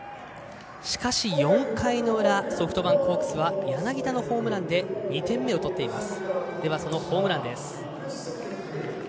４回の裏ソフトバンクホークスは、柳田のホームランで２点目を取っています。